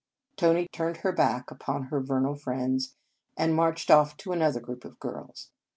Tony turned her back upon her ve nal friends, and marched off to another group of girls.